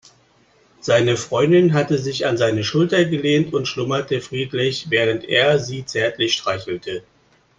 Seine Freundin hatte sich an seine Schulter gelehnt und schlummerte friedlich, während er sie zärtlich streichelte.